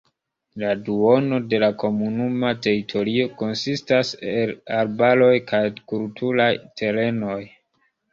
La duono de la komunuma teritorio konsistas el arbaroj kaj kulturaj terenoj.